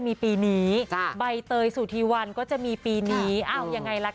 แม่เติร์ดก็บอกว่าเดี๋ยวปล่อยให้มีพร้อมกันเลยไหม